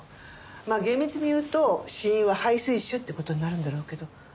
まあ厳密に言うと死因は肺水腫って事になるんだろうけど。